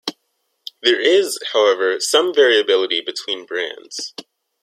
There is, however, some variability between brands.